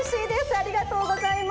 ありがとうございます。